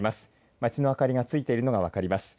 町の明かりがついているのが分かります。